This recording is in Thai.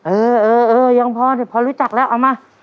เออเออยังพอดิพอรู้จักแล้วเอามา